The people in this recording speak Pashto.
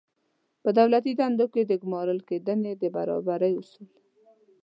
په دولتي دندو کې د ګمارل کېدنې د برابرۍ اصل